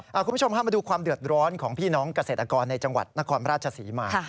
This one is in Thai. คุณผู้ชมพามาดูความเดือดร้อนของพี่น้องเกษตรกรในจังหวัดนครราชศรีมา